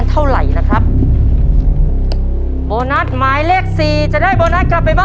ไม่ออกครับ